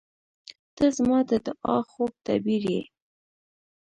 • ته زما د دعا خوږ تعبیر یې.